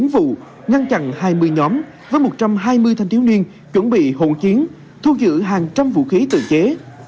một mươi bốn vụ ngăn chặn hai mươi nhóm với một trăm hai mươi thanh tiếu niên chuẩn bị hỗn chiến thu giữ hàng trăm vũ khí tự chế